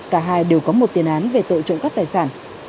cả hai đều có một tiền án về tội trộm cắp tài sản